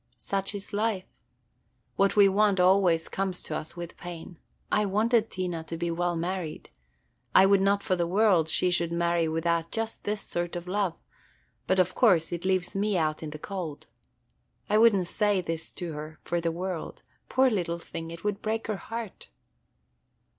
Such is life. What we want always comes to us with pain. I wanted Tina to be well married. I would not for the world she should marry without just this sort of love; but of course it leaves me out in the cold. I would n't say this to her for the world, – poor little thing, it would break her heart."